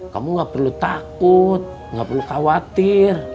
kamu gak perlu takut nggak perlu khawatir